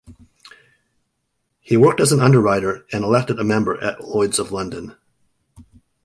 He worked as an underwriter and elected a member at Lloyd's of London.